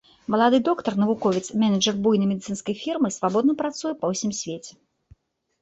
Малады доктар, навуковец, менеджар буйной медыцынскай фірмы свабодна працуе па ўсім свеце.